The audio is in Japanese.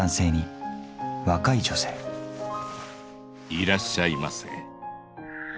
いらっしゃいませ。